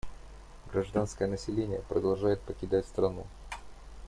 Гражданское население продолжает покидать страну.